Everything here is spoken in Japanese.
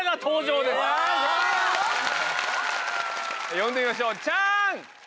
呼んでみましょうチャン！